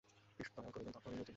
কৃষ্ণদয়াল কহিলেন, তখন মিউটিনি।